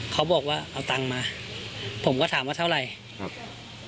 เขาบอกว่าเอาตังค์มาผมก็ถามว่าเท่าไหร่ครับ